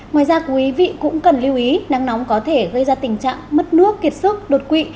ngoài ra quý vị cũng cần lưu ý nắng nóng có thể gây ra tình trạng mất nước kiệt sức đột quỵ